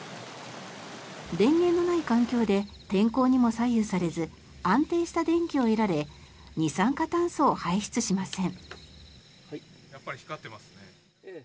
電源のない環境で天候にも左右されず安定した電気を得られ二酸化炭素を排出しません。